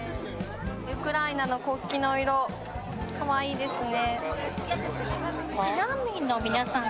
ウクライナの国旗の色可愛いですね。